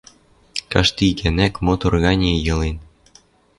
Каждый гӓнӓк мотор ганьы йылен